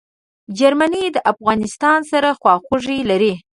جرمني د افغانستان سره خواخوږي لري.